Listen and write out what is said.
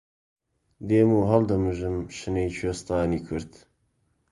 دێم و هەڵدەمژم شنەی کوێستانی کورد